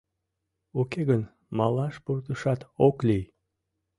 Уке гын, малаш пуртышат ок лий.